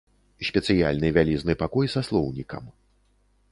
Спецыяльны вялізны пакой са слоўнікам.